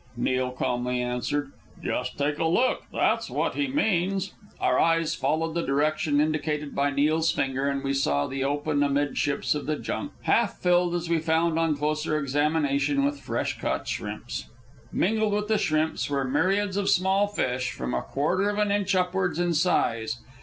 Neil calmly answered. "Just take a look that's what he means." Our eyes followed the direction indicated by Neil's finger, and we saw the open amid ships of the junk, half filled, as we found on closer examination, with fresh caught shrimps. Mingled with the shrimps were myriads of small fish, from a quarter of an inch upwards in size.